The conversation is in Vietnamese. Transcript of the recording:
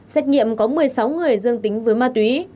xét nghiệm có một mươi sáu người dương tính với ma túy